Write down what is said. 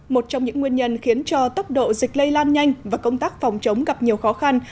một trong những nguyên nhân khiến cho tốc độ dịch lây lan nhanh và công tác phòng chống gặp nhiều khó khăn